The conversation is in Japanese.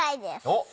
おっ。